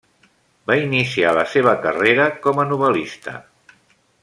Va iniciar la seva carrera com a novel·lista.